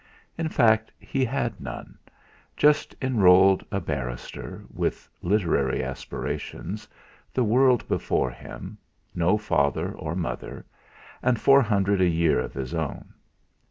In fact he had none; just enrolled a barrister, with literary aspirations, the world before him, no father or mother, and four hundred a year of his own.